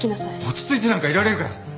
落ち着いてなんかいられるかよ。